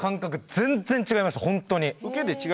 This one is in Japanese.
全然違いました。